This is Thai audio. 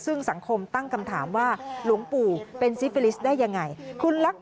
ซึ่งสังคมตั้งคำถามว่าหลวงปู่เป็นซิฟิลิสต์ได้ยังไง